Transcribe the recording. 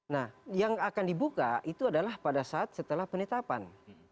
nah yang akan dibuka itu adalah pada saat setelah penetapan